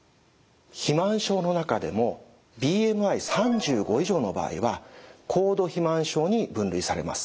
肥満症の中でもＢＭＩ３５以上の場合は高度肥満症に分類されます。